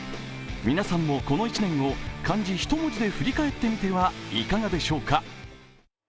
皆さんもこの１年を漢字１文字で振り返ってみてはいかがでしょうか。